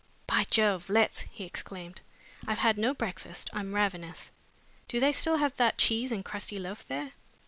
"By Jove, let's!" he exclaimed. "I've had no breakfast. I'm ravenous. Do they still have that cheese and crusty loaf there?"